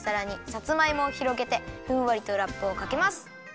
さつまいもをひろげてふんわりとラップをかけます。